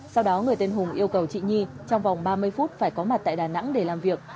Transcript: sau đó người tên hùng yêu cầu chị nhi trong vòng ba mươi phút phải có mặt tại đà nẵng để làm việc